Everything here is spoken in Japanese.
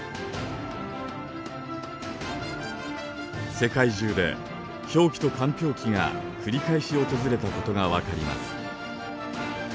世界中で氷期と間氷期がくり返し訪れたことが分かります。